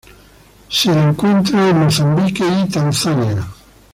Se la encuentra en Mozambique y Tanzania.